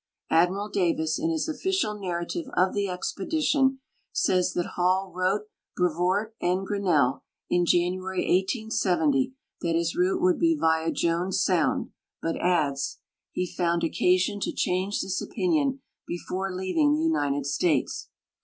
Admiral Davis, in his official narrative of the expedition, says that Hall wrote Brevoort and Grinnell, in January, 1870, that his route would be via Jones sound, but adds: "He found occasion to change this opinion before leaving the United States."